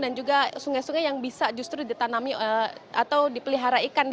dan juga sungai sungai yang bisa justru ditanami atau dipeliharaikan